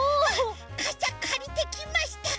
かさかりてきました。